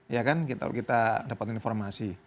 ya kan kita dapat informasi